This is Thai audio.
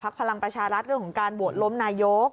พลังประชารัฐเรื่องของการโหวตล้มนายก